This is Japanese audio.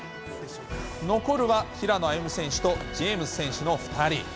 残るは平野歩夢選手とジェームズ選手の２人。